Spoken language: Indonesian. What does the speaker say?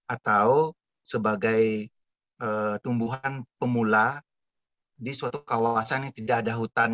atau sebagai tumbuhan pemula di suatu kawasan yang tidak ada hutan